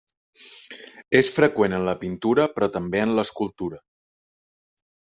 És freqüent en la pintura però també en l'escultura.